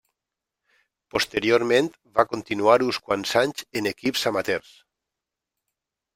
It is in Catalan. Posteriorment va continuar uns quants anys en equips amateurs.